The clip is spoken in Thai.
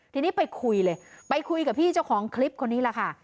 ทีนี้ไปคุยเลยไปคุยกับพี่เจ้าของคลิปคนนี้แหละค่ะ